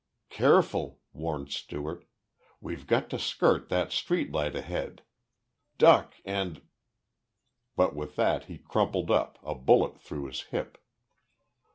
"Careful," warned Stewart. "We've got to skirt that street light ahead. Duck and " But with that he crumpled up, a bullet through his hip.